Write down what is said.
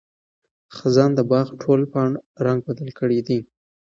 خزان د باغ د ټولو پاڼو رنګ بدل کړی دی.